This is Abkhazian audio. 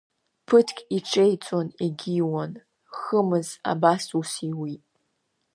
Ԥыҭк иҿеиҵон егьиуан, хымыз абас аус иуит.